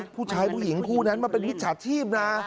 ผู้ชายผู้หญิงคู่นั้นมาเป็นมิจฉัดทีมนะ